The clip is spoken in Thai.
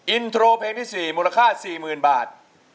อินโทรเพลงที่๔มูลค่า๔๐๐๐บาท